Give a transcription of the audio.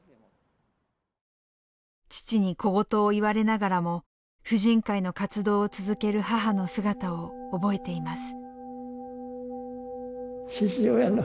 父に小言を言われながらも婦人会の活動を続ける母の姿を覚えています。